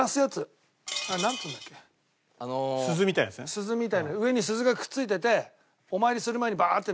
鈴みたいな上に鈴がくっついててお参りする前にバーッて鳴らすやつ。